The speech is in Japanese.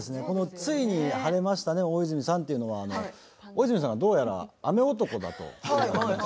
このついに晴れましたね大泉さんというのは大泉さんが、どうやら雨男だと。